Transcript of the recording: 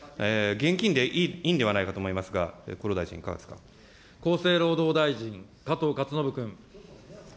現金でいいんではないかと思いますが、厚労大臣、厚生労働大臣、加藤勝信君。